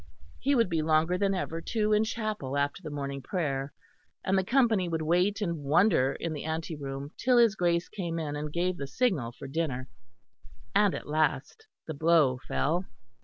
He would be longer than ever too in chapel after the morning prayer, and the company would wait and wonder in the anteroom till his Grace came in and gave the signal for dinner. And at last the blow fell.